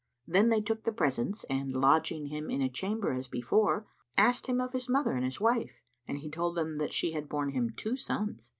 Then they took the presents and, lodging him in a chamber as before, asked him of his mother and his wife, and he told them that she had borne him two sons.